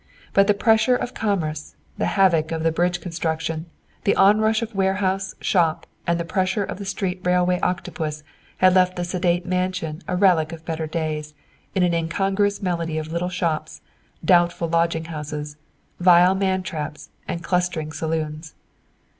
But the pressure of commerce, the havoc of the bridge construction, the onrush of warehouse, shop, and the pressure of the street railway octopus had left the sedate mansion a relic of better days in an incongruous medley of little shops, doubtful lodging houses, vile man traps, and clustering saloons.